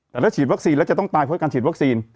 แต่ถ้าฉีดวัคซีนแล้วจะต้องตายเพราะการฉีดวัคซีน